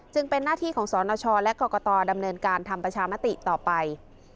เป็นหน้าที่ของสนชและกรกตดำเนินการทำประชามติต่อไป